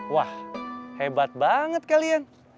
wah hebat banget kalian